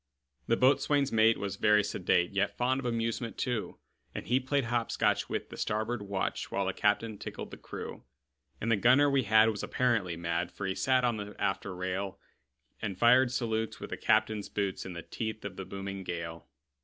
The boatswain's mate was very sedate, Yet fond of amusement, too; And he played hop scotch with the starboard watch, While the captain tickled the crew. And the gunner we had was apparently mad, For he sat on the after rail, And fired salutes with the captain's boots, In the teeth of the booming gale.